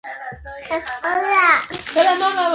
څه حال دی.